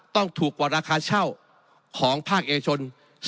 ต้องถูกกว่าราคาเช่าของภาคเอกชน